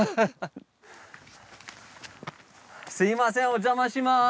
すいませんお邪魔します。